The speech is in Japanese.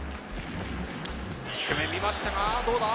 低め見ましたがどうだ？